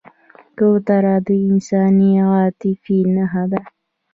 کوتره د انساني عاطفې نښه ده.